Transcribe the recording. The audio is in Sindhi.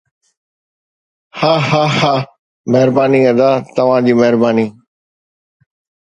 هاهاها مهرباني ادا توهان جي مهرباني